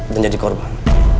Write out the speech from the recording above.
dan jadi korban